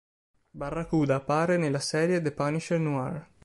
Barracuda appare nella serie "The Punisher Noir".